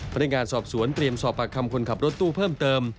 พนักงานสอบสวนเตรียมสอบปากคำคนขับรถตู้เพิ่มเติม